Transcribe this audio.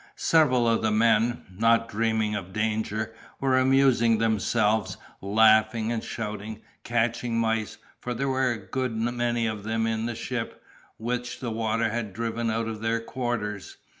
Several of the men, not dreaming of danger, were amusing themselves, laughing and shouting, catching mice, for there were a good many of them in the ship, which the water had driven out of their quarters.